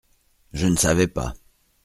Je ne savais pas.